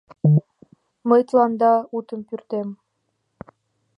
Мый тыланда утым пӱрдем!